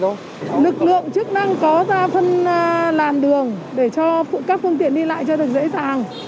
lực lượng chức năng có ra phân làn đường để cho các phương tiện đi lại cho được dễ dàng